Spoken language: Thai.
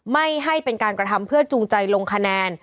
ไม่ให้เป็นการกระทำเพื่อจูงใจลงคะแนน